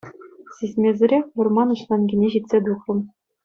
Сисмесӗрех вӑрман уҫланкине ҫитсе тухрӑм.